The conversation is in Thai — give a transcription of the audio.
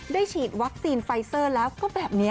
ฉีดวัคซีนไฟเซอร์แล้วก็แบบนี้